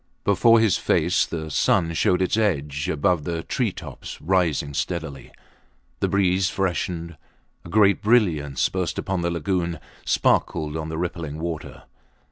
Before his face the sun showed its edge above the tree tops rising steadily. The breeze freshened; a great brilliance burst upon the lagoon, sparkled on the rippling water.